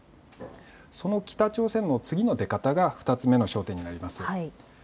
その北朝鮮の次の出方が２つ目の焦点になります。